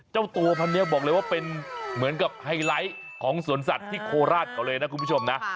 เจ้าตัวพันนี้บอกเลยว่าเป็นเหมือนกับไฮไลท์ของสวนสัตว์ที่โคราชเขาเลยนะคุณผู้ชมนะ